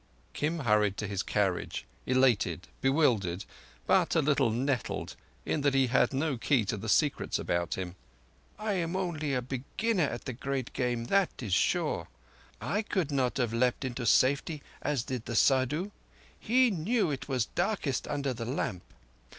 Kim hurried to his carriage: elated, bewildered, but a little nettled in that he had no key to the secrets about him. "I am only a beginner at the Game, that is sure. I could not have leaped into safety as did the Saddhu. He knew it was darkest under the lamp.